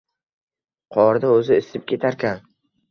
Qorda o‘zi isib ketarkan.